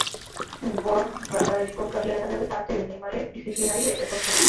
বরং রেকর্ড ঘাঁটলে দেখা যাবে, তাঁর চেয়ে নেইমারের ডিসিপ্লিনারি রেকর্ড খারাপ।